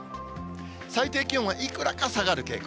最低気温はいくらか下がる傾向。